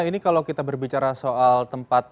ini kalau kita berbicara soal tempat